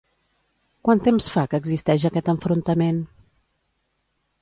Quant temps fa que existeix aquest enfrontament?